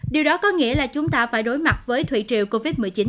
điều đó có nghĩa là chúng ta phải đối mặt với thủy triều covid một mươi chín